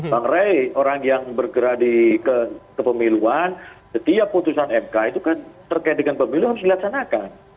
bang rey orang yang bergerak di kepemiluan setiap putusan mk itu kan terkait dengan pemilu harus dilaksanakan